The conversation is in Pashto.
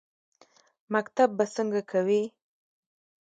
_مکتب به څنګه کوې؟